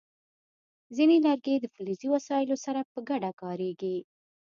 ځینې لرګي د فلزي وسایلو سره په ګډه کارېږي.